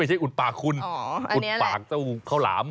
อุดปากคุณอุดปากเจ้าข้าวหลาม